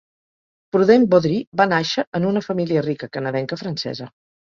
Prudent Beaudry va nàixer en una família rica canadenca francesa.